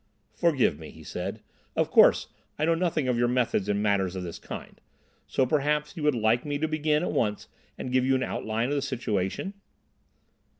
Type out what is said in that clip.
"Forgive me," he said. "Of course, I know nothing of your methods in matters of this kind—so, perhaps, you would like me to begin at once and give you an outline of the situation?"